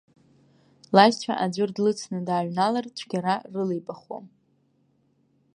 Лашьцәа аӡәыр длыцны дааҩналар, цәгьара рылибахуам.